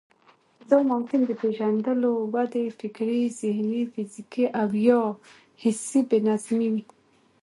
دا ممکن د پېژندلو، ودې، فکري، ذهني، فزيکي او يا حسي بې نظمي وي.